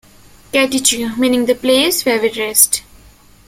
"Caticheu", meaning 'the place where we rest'.